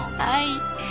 はい。